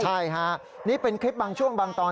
ใช่ฮะนี่เป็นคลิปบางช่วงบางตอน